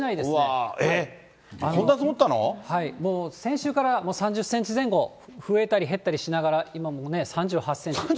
うわー、えっ、もう先週から３０センチ前後、増えたり減ったりしながら、今もね、３８センチ。